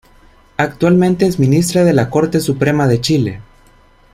Actualmente es Ministra de la Corte Suprema de Chile.